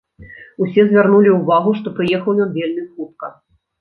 Усе звярнулі ўвагу, што прыехаў ён вельмі хутка.